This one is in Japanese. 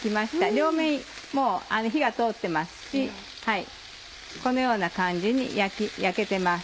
両面もう火が通ってますしこのような感じに焼けてます。